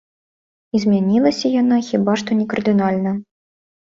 І змянілася яна хіба што не кардынальна.